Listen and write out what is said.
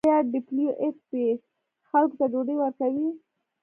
آیا ډبلیو ایف پی خلکو ته ډوډۍ ورکوي؟